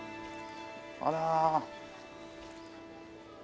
あら。